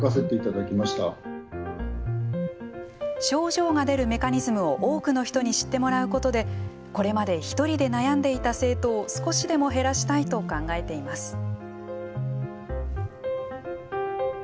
症状が出るメカニズムを多くの人に知ってもらうことでこれまで１人で悩んでいた生徒を少しでも減らしたいと考えています。